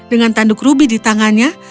dengan tanduk rubi di tangannya